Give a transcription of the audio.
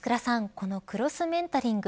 このクロスメンタリング